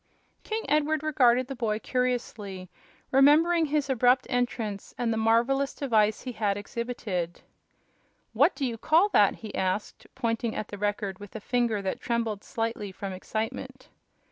King Edward regarded the boy curiously, remembering his abrupt entrance and the marvelous device he had exhibited. "What do you call that?" he asked, pointing at the Record with a finger that trembled slightly from excitement.